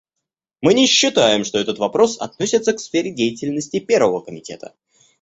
Мы не считаем, что этот вопрос относится к сфере деятельности Первого комитета.